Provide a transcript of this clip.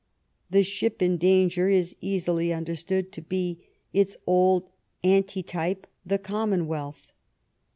The ship in danger is easily under stood to be its old anti type the Commonwealth.